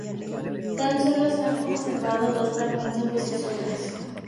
Tan solo se han conservado dos fragmentos de sus obras.